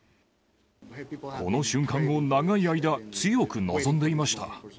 この瞬間を長い間、強く望んでいました。